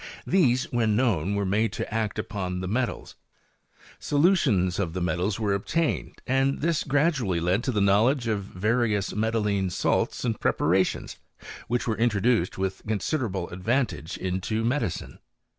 These, when known, were made to act upon the metals ; aolu Uons of the metals were obtained, and this gradually ' led to the knowledge of various metalline salts and ' preparations, which were introduced with considerable ' advantage into medicine.